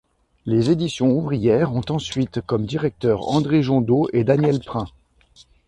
Les Éditions ouvrières ont ensuite comme directeurs André Jondeau et Daniel Prin.